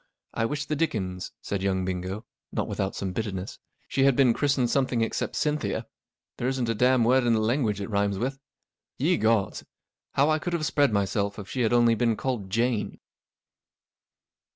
I wish the dickens," said young Bingo, not without some bitterness, 44 she had been christened something except Cynthia. There isn't a dam' word in the language it rhymes with. Ye gods, how I could have spread myself if she had only been called Jane